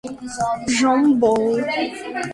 John Ball